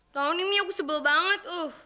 tolong nih mi aku sebel banget